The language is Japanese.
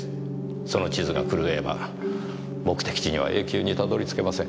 その地図が狂えば目的地には永久にたどり着けません。